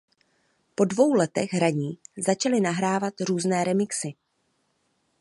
Po dvou letech hraní začali nahrávat různé remixy.